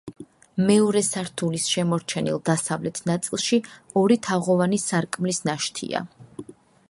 მეორე სართულის შემორჩენილ დასავლეთ ნაწილში ორი თაღოვანი სარკმლის ნაშთია.